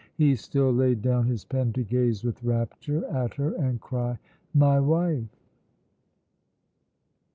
He still laid down his pen to gaze with rapture at her and cry, "My wife!"